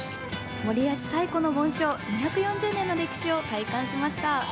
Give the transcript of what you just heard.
守谷市最古のぼん鐘２４０年の歴史を体感しました。